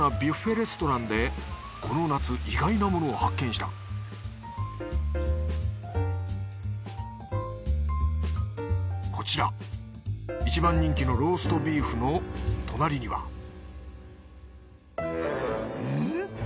レストランでこの夏意外なものを発見したこちらいちばん人気のローストビーフの隣にはん？